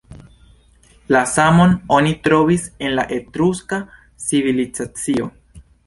La samon oni trovis en la Etruska civilizacio.